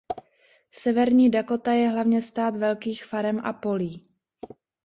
Severní Dakota je hlavně stát velkých farem a polí.